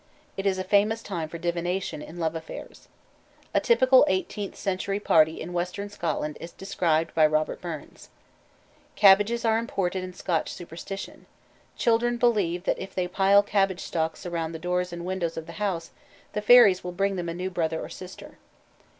It is a famous time for divination in love affairs. A typical eighteenth century party in western Scotland is described by Robert Burns. Cabbages are important in Scotch superstition. Children believe that if they pile cabbage stalks round the doors and windows of the house, the fairies will bring them a new brother or sister.